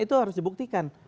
itu harus dibuktikan